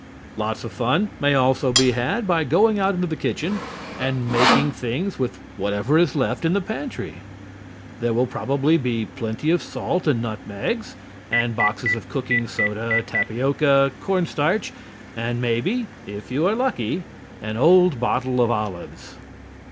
Lots of fun may also be had by going out into the kitchen and making things with whatever is left in the pantry. There will probably be plenty of salt and nutmegs, with boxes of cooking soda, tapioca, corn starch and maybe, if you are lucky, an old bottle of olives.